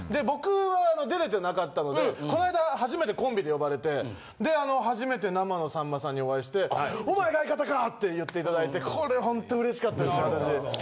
僕は出れてなかったので、この間、初めてコンビで呼ばれて、初めて生のさんまさんにお会いして、お前が相方かって言われて、これ、本当うれしかったですよ。